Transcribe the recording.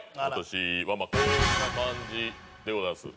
私はまあこんな感じでございます。